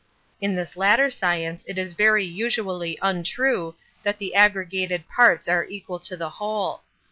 In this latter science it is very usually untrue that the aggregated parts are equal to the whole.